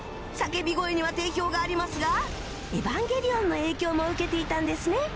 叫び声には定評がありますが『エヴァンゲリオン』の影響も受けていたんですね